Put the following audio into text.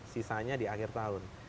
sisanya di akhir tahun